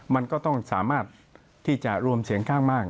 มันก็ต้องสามารถที่จะรวมเสียงข้างมาก